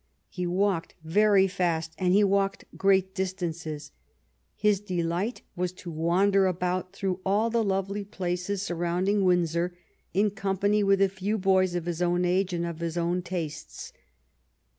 He walked very fast, and he walked great distances. His delight was to wander about through all the lovely places surrounding Windsor, in company with a few boys of his own age and of his own tastes.